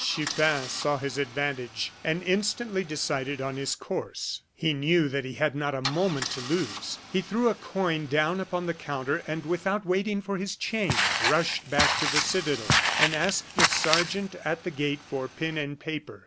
Chupin saw his advantage, and instantly decided on his course. He knew that he had not a moment to lose. He threw a coin down upon the counter, and without waiting for his change, rushed back to the citadel, and asked the sergeant at the gate for pen and paper.